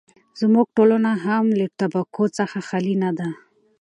زموږ ټولنه هم له طبقو څخه خالي نه ده.